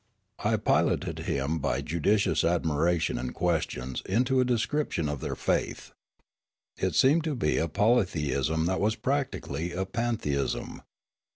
I piloted him by judicious admiration and questions into a description of their faith. It seemed to be a polytheism that was practically a pantheism.